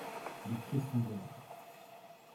Les cressons verts